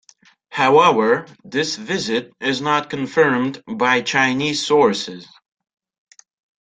However, this visit is not confirmed by Chinese sources.